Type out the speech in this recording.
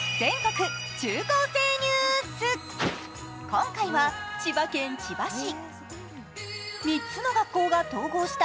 今回は千葉県千葉市。